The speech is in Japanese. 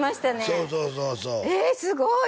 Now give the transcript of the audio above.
そうそうそうそうええすごい！